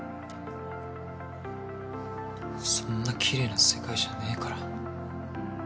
そんなきれいな世界じゃねぇから。